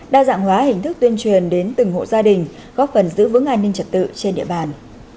đa dạng hóa hình thức tuyên truyền đến từng hộ gia đình góp phần giữ vững an ninh trật tự trên địa bàn